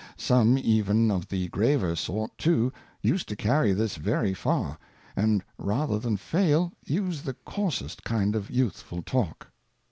Some even of the graver sort too, used to carry this very far, and rather than fail, use the coarsest kind of youthful talk.